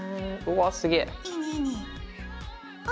わあすげえ！